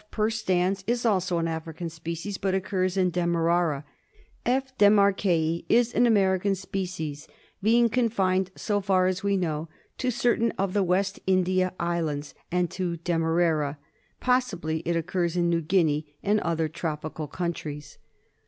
persians is also an African species but occurs in Demerara; F, demarquai is an American species, being confined, so far as we know, to certain of the West India Islands and to Demerara; pos sibly it occurs in New Guinea and other tropical countries.